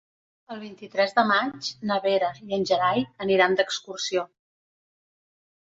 El vint-i-tres de maig na Vera i en Gerai aniran d'excursió.